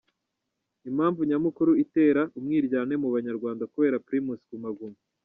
Impamvu nyamukuru itera umwiryane mu banyarwanda kubera Primus Guma Guma .